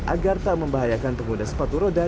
agar tak membahayakan pengguna sepatu roda